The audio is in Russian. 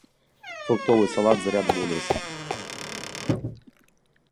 Фруктовый салат - заряд бодрости.